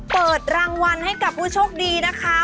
เปิดรางวัลให้กับผู้โชคดีนะคะ